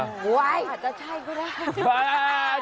อาจจะใช่ก็ได้